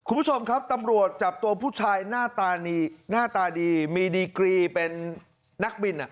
คุณผู้ชมครับตำรวจจับตัวผู้ชายหน้าตาดีหน้าตาดีมีดีกรีเป็นนักบิน